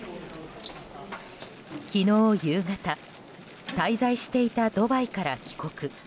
昨日夕方滞在していたドバイから帰国。